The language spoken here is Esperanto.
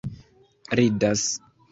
ridas